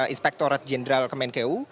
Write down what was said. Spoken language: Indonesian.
inspektorat jenderal kemenkeu